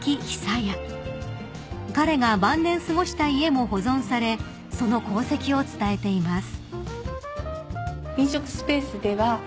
［彼が晩年過ごした家も保存されその功績を伝えています］